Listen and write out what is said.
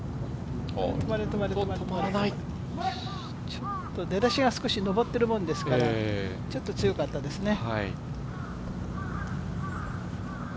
ちょっと出だしが上ってるものですからちょっと強かったですね。